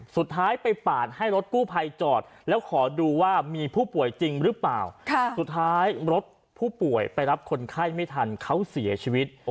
สุดท้ายรถผู้ป่วยไปรับคนไข้ไม่ทันเขาเสียชีวิต